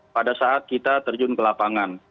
pada saat kita terjun ke lapangan